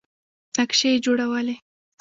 نقشې یې جوړولې.